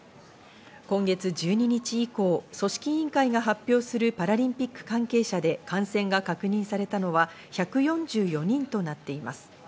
今月１２日以降、組織委員会が発表するパラリンピック関係者で感染が確認されたのは１４４人となっています。